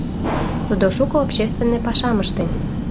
Тудо шуко общественный пашам ыштен.